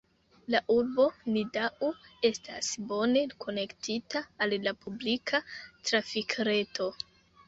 La urbo Nidau estas bone konektita al la publika trafikreto.